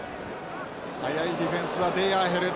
早いディフェンスはデヤーヘル。